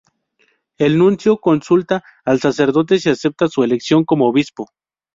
El nuncio consulta al sacerdote si acepta su elección como obispo.